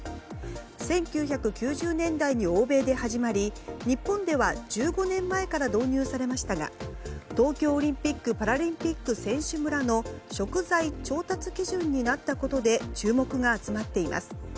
１９９０年代に欧米で始まり日本では１５年前から導入されましたが東京オリンピック・パラリンピック選手村の食材調達基準になったことで注目が集まっています。